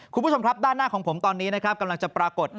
คุณผู้ชมครับด้านหน้าของผมตอนนี้นะครับกำลังจะปรากฏ